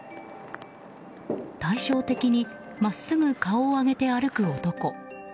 対照的に真っすぐ顔を上げて歩く男。